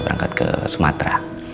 berangkat ke sumatera